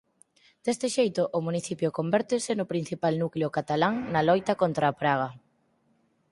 Deste xeito o municipio convértese no principal núcleo catalán na loita contra a praga.